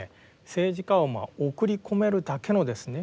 政治家をまあ送り込めるだけのですね